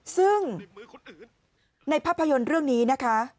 ซึ่งในภาพยนตร์เรื่องนี้นะคะ